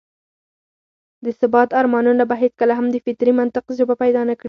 د ثبات ارمانونه به هېڅکله هم د فطري منطق ژبه پيدا نه کړي.